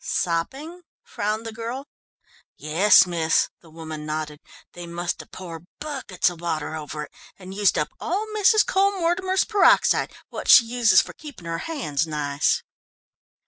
"Sopping?" frowned the girl. "Yes, miss," the woman nodded. "They must have poured buckets of water over it, and used up all Mrs. Cole Mortimer's peroxide, what she uses for keeping her hands nice."